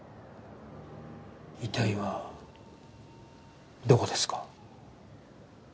遺体はどこですか？